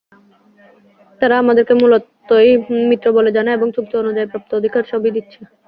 তারা আমাদেরকে মূলতই মিত্র বলে জানে এবং চুক্তি অনুযায়ী প্রাপ্য অধিকার সবই দিচ্ছে।